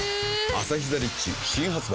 「アサヒザ・リッチ」新発売